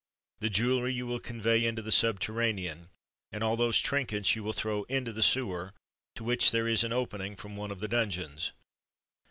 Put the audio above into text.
The jewellery you will convey into the subterranean; and all those trinkets you will throw into the sewer, to which there is an opening from one of the dungeons.